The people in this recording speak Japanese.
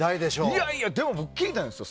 いやいや、僕聞いたんですよ